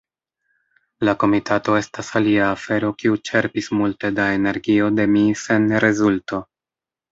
La komitato estas alia afero kiu ĉerpis multe da energio de mi sen rezulto.